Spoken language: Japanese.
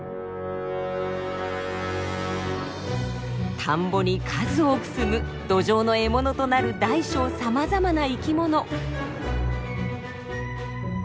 田んぼに数多くすむドジョウの獲物となる大小さまざまな生きもの。